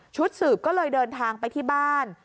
สืบก็เลยเดินทางไปที่บ้าน